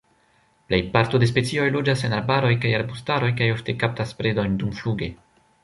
Plej parto de specioj loĝas en arbaroj kaj arbustaroj kaj ofte kaptas predojn dumfluge.